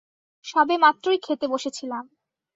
সবেমাত্রই খেতে বসেছিলাম।